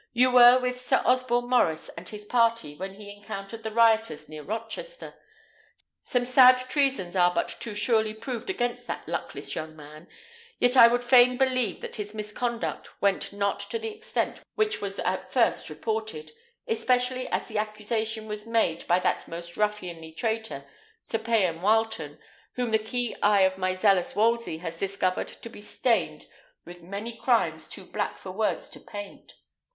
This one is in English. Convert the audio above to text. You were with Sir Osborne Maurice and his party when he encountered the rioters near Rochester. Some sad treasons are but too surely proved against that luckless young man; yet I would fain believe that his misconduct went not to the extent which was at first reported, especially as the accusation was made by that most ruffianly traitor, Sir Payan Wileton, whom the keen eye of my zealous Wolsey has discovered to be stained with many crimes too black for words to paint.